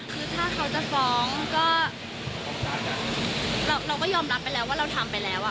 คือถ้าเขาจะฟ้องก็เราก็ยอมรับไปแล้วว่าเราทำไปแล้ว